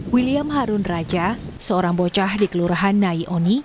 william harun raja seorang bocah di kelurahan naioni